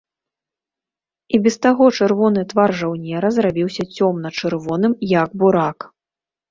І без таго чырвоны твар жаўнера зрабіўся цёмна-чырвоным, як бурак.